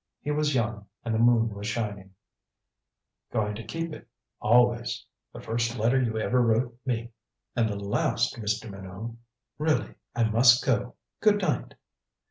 He was young, and the moon was shining " going to keep it always. The first letter you ever wrote me " "And the last, Mr. Minot. Really I must go. Good night."